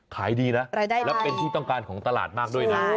ขายดีนะแล้วเป็นที่ต้องการของตลาดมากด้วยนะ